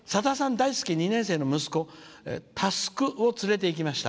大好き２年生の息子たすくを連れていきました。